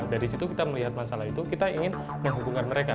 dari situ kita melihat masalah itu kita ingin menghubungkan mereka